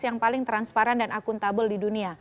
yang paling transparan dan akuntabel di dunia